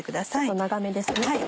長めです。